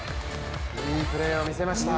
いいプレーを見せました。